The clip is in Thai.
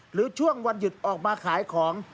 หรือช่วงวันหยุดออกมาขายของ